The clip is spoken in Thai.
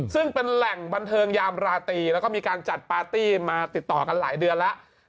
ซึ่งเป็นแหล่งบันเทิงยามราตรีแล้วก็มีการจัดปาร์ตี้มาติดต่อกันหลายเดือนแล้ว